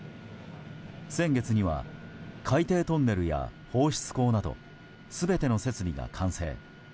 先月には海底トンネルや放出口など全ての設備が完成。